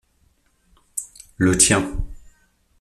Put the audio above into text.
Le tien.